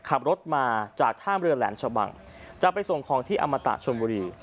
ขับรถมาจากท่ามเรือแหลมชะบังจะไปส่งของที่อมตะชนบุรี